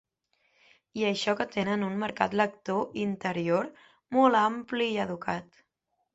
I això que tenen un mercat lector interior molt ampli i educat.